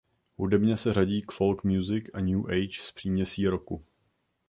Hudebně se řadí k folk music a new age s příměsí rocku.